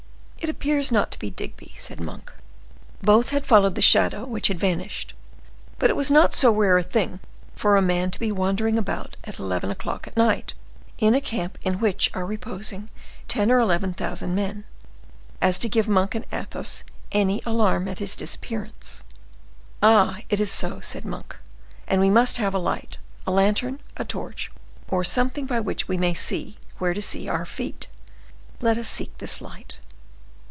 "It appears not to be Digby," said Monk. Both had followed the shadow which had vanished. But it was not so rare a thing for a man to be wandering about at eleven o'clock at night, in a camp in which are reposing ten or eleven thousand men, as to give Monk and Athos any alarm at his disappearance. "As it is so," said Monk, "and we must have a light, a lantern, a torch, or something by which we may see where to see our feet; let us seek this light."